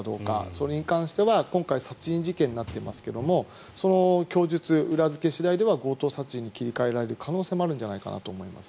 それに関しては今回、殺人事件になっていますがその供述、裏付け次第では強盗殺人に切り替えられる可能性もあるんじゃないかと思います。